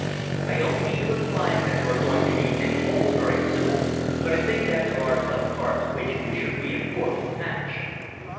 I don't mean to imply that there are going to be any holes very soon, but I think that there are some parts which we should reinforce or patch."